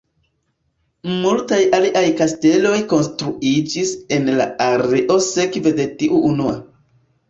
Multaj aliaj kasteloj konstruiĝis en la areo sekve de tiu unua.